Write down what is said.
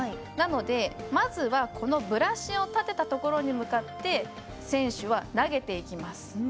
なので、まずはこのブラシを立てたところに向かって選手は投げていきます。